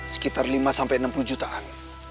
sekitar lima sampai enam puluh jutaan